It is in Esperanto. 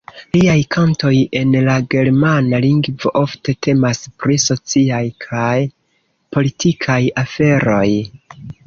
Liaj kantoj, en la germana lingvo, ofte temas pri sociaj kaj politikaj aferoj.